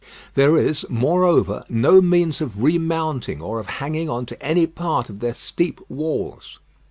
There is, moreover, no means of remounting or of hanging on to any part of their steep walls.